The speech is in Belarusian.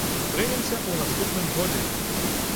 Сустрэнемся ў наступным годзе!